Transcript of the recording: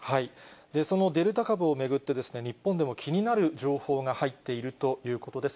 そのデルタ株を巡って、日本でも気になる情報が入っているということです。